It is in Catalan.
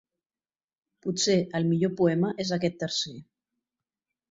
Potser el millor poema és aquest tercer.